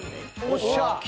よっしゃ。